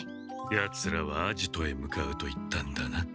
ヤツらはアジトへ向かうと言ったんだな？